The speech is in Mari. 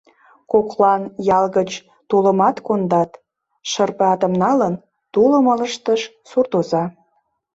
— Коклан ял гыч тулымат кондат, — шырпе атым налын, тулым ылыжтыш суртоза.